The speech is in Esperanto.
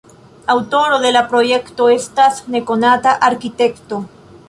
Aŭtoro de la projekto estas nekonata arkitekto.